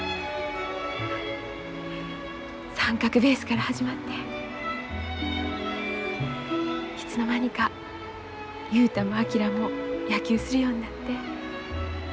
三角ベースから始まっていつの間にか雄太も昭も野球するようになって。